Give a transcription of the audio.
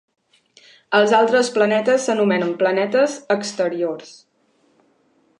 Els altres planetes s'anomenen planetes exteriors.